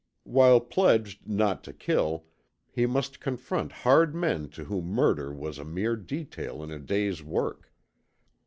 While pledged not to kill, he must confront hard men to whom murder was a mere detail in a day's work.